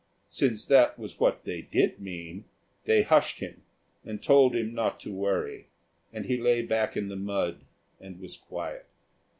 Since that was what they did mean, they hushed him and told him not to worry, and he lay back in the mud and was quiet.